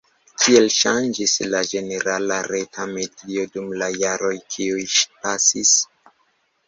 Kiel ŝanĝiĝis la ĝenerala reta medio dum la jaroj kiuj pasis?